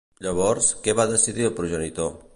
Llavors, què va decidir el progenitor?